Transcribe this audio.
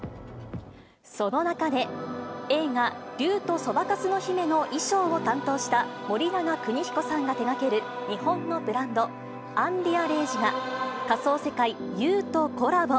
その中で、映画、竜とそばかすの姫の衣装を担当した、森永邦彦さんが手がける日本のブランド、アンリアレイジが、仮想世界、Ｕとコラボ。